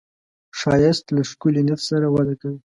ښایست له ښکلي نیت سره وده کوي